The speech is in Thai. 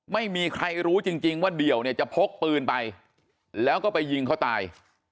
ไม่มีใครรู้จริงว่าเดี่ยวเนี่ยจะพกปืนไปแล้วก็ไปยิงเขาตาย